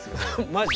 マジ？